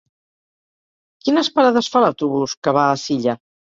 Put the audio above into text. Quines parades fa l'autobús que va a Silla?